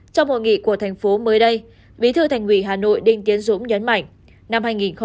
trong hội nghị của thành phố mới đây bí thư thành quỷ hà nội đinh tiến dũng nhấn mạnh